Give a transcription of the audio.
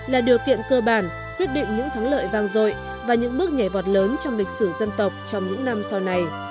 là điều kiện cơ bản quyết định những thắng lợi vang dội và những bước nhảy vọt lớn trong lịch sử dân tộc trong những năm sau này